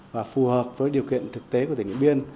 và phù hợp với điều kiện thực tế của tỉnh điện biên